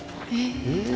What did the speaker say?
へえ。